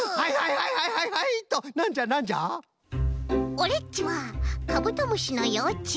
オレっちはカブトムシのようちゅう。